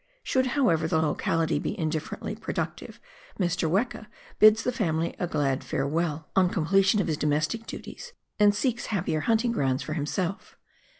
Should, however, the locality be indifferently productive, Mr. Weka bids the family a glad farewell on the completion of his WESTLAND. 37 domestic duties, and seeks happier hunting grounds for him self.